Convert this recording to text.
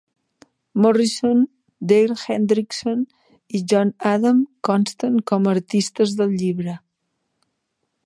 Morrison, Dale Hendrickson i John Adam consten com a artistes del llibre.